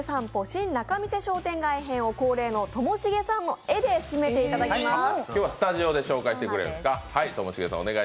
新仲見世商店街編を恒例のともしげさんの絵で締めていただきます。